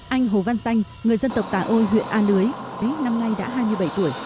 anh hồ văn xanh người dân tộc tà ôi huyện an đưới tí năm nay đã hai mươi bảy tuổi